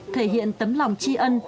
thể hiện tấm lòng chi ân